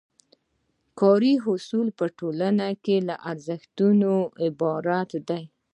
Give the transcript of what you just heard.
کاري اصول په ټولنه کې له ارزښتونو عبارت دي.